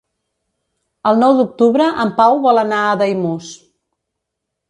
El nou d'octubre en Pau vol anar a Daimús.